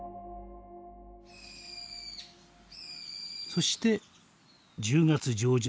そして１０月上旬。